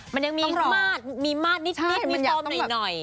มันยังมีมาดมีมาดนิดมีตอมหน่อย